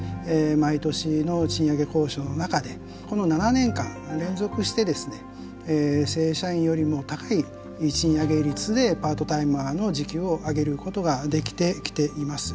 毎年の賃上げ交渉の中でこの７年間連続してですね正社員よりも高い賃上げ率でパートタイマーの時給を上げることができてきています。